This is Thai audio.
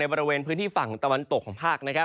บริเวณพื้นที่ฝั่งตะวันตกของภาค